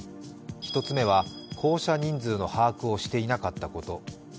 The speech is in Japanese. １つ目は降車人数の把握をしていなかったこと。